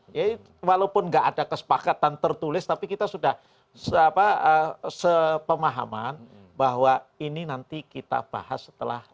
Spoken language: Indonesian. jadi walaupun tidak ada kesepakatan tertulis tapi kita sudah sepemahaman bahwa ini nanti kita bahas setelah